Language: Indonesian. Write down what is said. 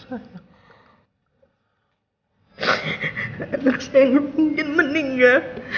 adalah sendirinya meninggal